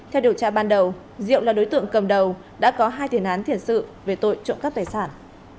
theo điều tra ban đầu diệu là đối tượng cầm đầu đã có hai thiền án thiền sự về tội trộm các tài sản